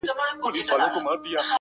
راته ښكلا راوړي او ساه راكړي.